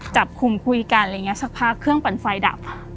จับคุมคุยกันอะไรอย่างนี้สักพักเครื่องปั่นไฟดับ